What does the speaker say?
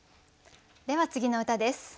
では次の歌です。